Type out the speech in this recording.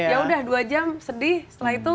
ya udah dua jam sedih setelah itu